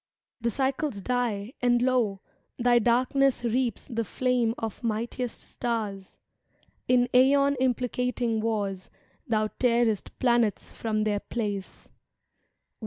The cycles die, and lo! thy darkness reaps The flame of mightiest stars; In aeon^Lmplicating wars Thou tearest planets from their place; 162 ^ a ■ N v